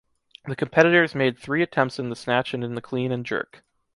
the competitors made three attempts in the snatch and in the clean and jerk.